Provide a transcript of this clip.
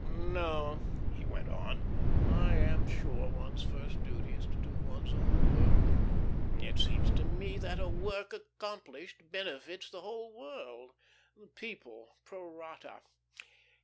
No," he went on, "I am sure one's first duty is to do one's own work. It seems to me that a work accomplished benefits the whole world the people pro rata.